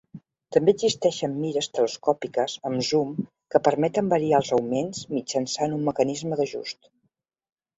També existeixen mires telescòpiques amb zoom que permeten variar els augments mitjançant un mecanisme d'ajust.